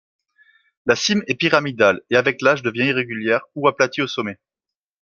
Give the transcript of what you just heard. La cime est pyramidale, et avec l'âge devient irrégulière ou aplatie au sommet.